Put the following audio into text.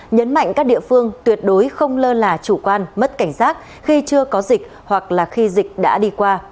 nhấn mạnh các địa phương tuyệt đối không lơ là chủ quan mất cảnh giác khi chưa có dịch hoặc là khi dịch đã đi qua